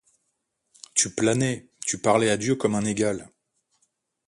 Tu planais ; tu parlais à Dieu comme un égal ;